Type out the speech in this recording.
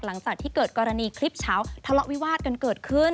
หลังจากที่เกิดกรณีคลิปเช้าทะเลาะวิวาดกันเกิดขึ้น